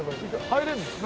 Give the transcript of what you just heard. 入れるんですか？